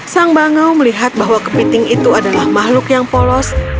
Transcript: sang bangau melihat bahwa kepiting itu adalah makhluk yang polos